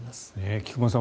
菊間さん